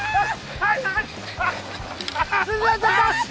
はい！